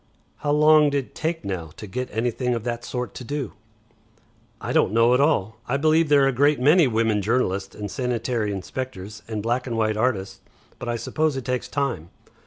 "How long'd it take now, to get anything of that sort to do?" "I don't know at all. I believe there are a great many women journalists and sanitary inspectors, and black and white artists. But I suppose it takes time.